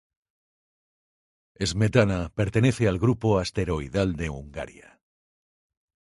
Smetana pertenece al grupo asteroidal de Hungaria.